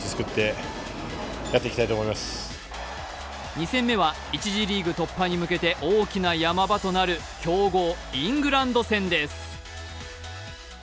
２戦目は１次リーグ突破に向けて大きな山場となる強豪・イングランド戦です。